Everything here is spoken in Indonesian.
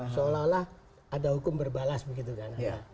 seolah olah ada hukum berbalas begitu kan